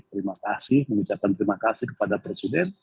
terima kasih mengucapkan terima kasih kepada presiden